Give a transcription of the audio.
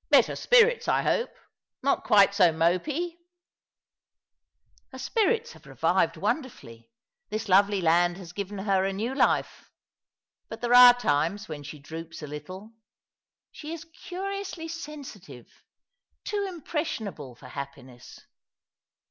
" Better spirits, I hope. Not quite so mopy ?"" Her spirits have revived wonderfully. This lovely land has given her a new life. But there are times when she droops a little. She is curiously sensitive — too impression able for happiness.